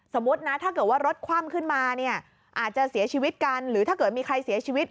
สมมุตินะถ้าเกิดว่ารถคว่ำขึ้นมาเนี่ยอาจจะเสียชีวิตกันหรือถ้าเกิดมีใครเสียชีวิต